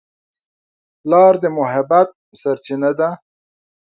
پلار د محبت سرچینه ده.